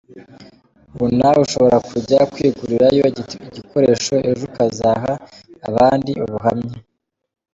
Ubu nawe ushobora kujya kwigurirayo igikoresho ejo ukazaha abandi ubuhamya.